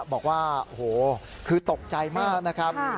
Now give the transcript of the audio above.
บอกว่าโอ้โหคือตกใจมากนะครับ